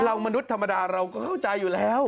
เรามนุษย์ธรรมดาเราก็เข้าใจอยู่แล้ว